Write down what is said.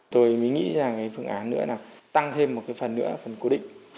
tôi mới nghĩ rằng cái phương án nữa là tăng thêm một cái phần nữa phần cố định